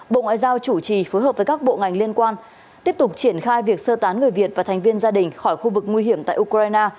bộ ngoại giao chủ trì phối hợp với các bộ ngành liên quan tiếp tục triển khai việc sơ tán người việt và thành viên gia đình khỏi khu vực nguy hiểm tại ukraine